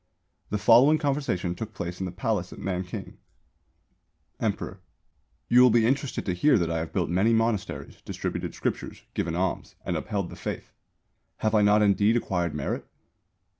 The following conversation took place in the Palace at Nanking: Emperor: You will be interested to hear that I have built many monasteries, distributed scriptures, given alms, and upheld the Faith. Have I not indeed acquired merit?